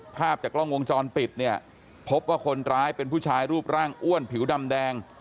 ภาพจากกล้องวงจรปิดเนี่ยพบว่าคนร้ายเป็นผู้ชายรูปร่างอ้วนผิวดำแดง